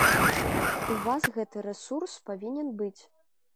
У вас гэты рэсурс павінен быць!